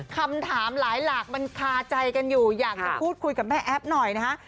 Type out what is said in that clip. คำถามหลายหลากมันคาใจกันอยู่อยากจะพูดคุยกับแม่แอ๊บหน่อยนะฮะ